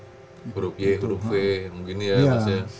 grup y grup v mungkin ya mas ya